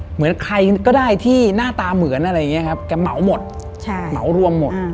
เหมือนใครก็ได้ที่หน้าตาเหมือนอะไรอย่างนี้ครับแกเหมาหมดเหมารวมหมด